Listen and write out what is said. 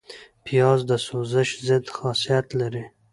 پیاز د سوزش ضد خاصیت لري